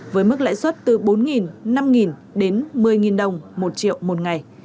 với mức lãi suất từ bốn năm đến một mươi đồng một triệu một ngày